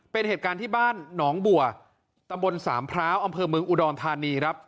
เป็นเหตุการณ์ที่บ้านหนองบัวตำบลสามพร้าวอำเภอเมืองอุดรธานีครับ